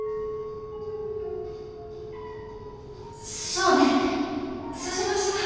そうねそうしましょう。